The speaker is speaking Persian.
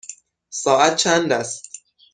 ساعت چند است؟